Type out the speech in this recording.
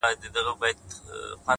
o اشنـا په دې چــلو دي وپوهـېدم،